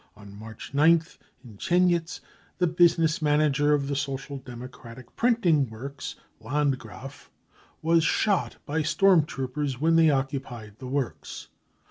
On March 9th, in Chenynitz, the business manager of the Social Democratic printing works, Landgraf, was shot by storm troopers when they occupied the works.